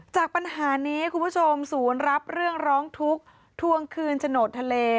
จากปัญหานี้คุณผู้ชมศูนย์รับเรื่องร้องทุกข์ทวงคืนโฉนดทะเล